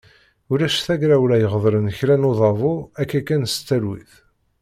Ulac tagrawla iɣeḍlen kra n udabu akka kan s talwit.